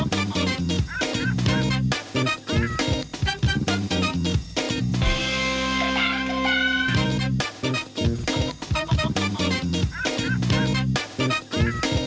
โปรดติดตามตอนต่อไป